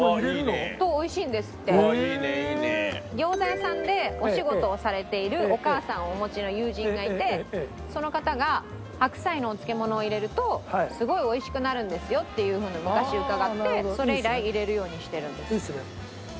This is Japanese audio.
屋さんでお仕事をされているお母さんをお持ちの友人がいてその方が白菜のお漬物を入れるとすごい美味しくなるんですよっていうふうに昔伺ってそれ以来入れるようにしてるんです。